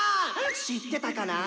知ってたかなぁ？」。